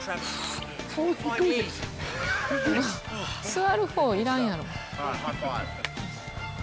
座るほういらんやろ。